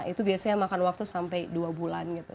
itu biasanya makan waktu sampai dua bulan gitu